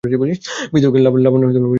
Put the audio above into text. ভিতরে গিয়ে লাবণ্যর বসবার ঘরে গেল।